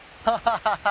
ハハハハ！